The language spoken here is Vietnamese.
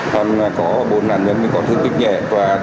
có bốn nạn nhân có thương tích nhẹ và được chúng tôi hỗ trợ y tế có băng bó nhẹ